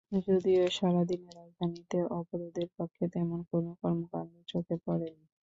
যদিও সারা দিনে রাজধানীতে অবরোধের পক্ষে তেমন কোনো কর্মকাণ্ড চোখে পড়েনি।